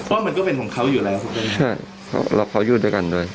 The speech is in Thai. เพราะว่ามันก็เป็นของเขาอยู่แล้วใช่เขาอยู่ด้วยกันด้วย